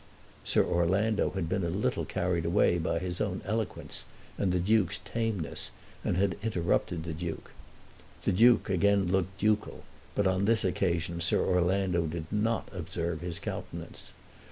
Sir Orlando had been a little carried away by his own eloquence and the Duke's tameness, and had interrupted the Duke. The Duke again looked ducal, but on this occasion Sir Orlando did not observe his countenance.